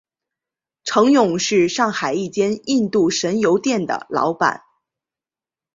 程勇是上海一间印度神油店的老板。